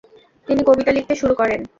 তিনি কবিতা লিখতে শুরু করেন।